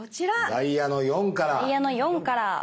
ダイヤの４から。